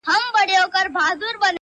نو زه له تاسره؛